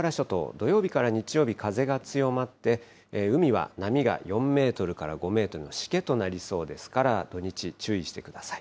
土曜日から日曜日、風が強まって、海は波が４メートルから５メートル、しけとなりそうですから、土日、注意してください。